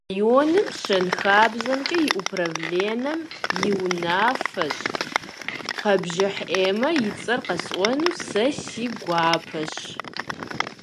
Районым щэнхабзэмкӀэ и управленэм и унафэщӀ Къэбжыхь Эммэ и цӀэр къисӀуэну си гуапэщ.